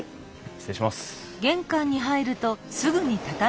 失礼します。